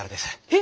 え